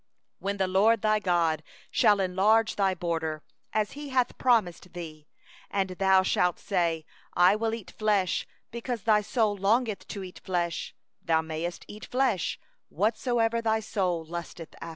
20When the LORD thy God shall enlarge thy border, as He hath promised thee, and thou shalt say: 'I will eat flesh', because thy soul desireth to eat flesh; thou mayest eat flesh, after all the desire of thy soul.